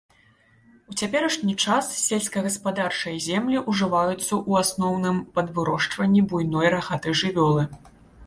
У цяперашні час сельскагаспадарчыя землі ўжываюцца ў асноўным пад вырошчванне буйной рагатай жывёлы.